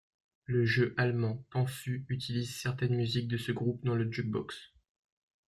Le jeu allemand Panfu utilise certaines musiques de ce groupe dans le jukebox.